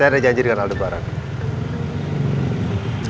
saya ada janji dengan aldebaran